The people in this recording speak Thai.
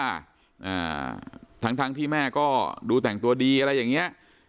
อ่าทั้งทั้งที่แม่ก็ดูแต่งตัวดีอะไรอย่างเงี้ย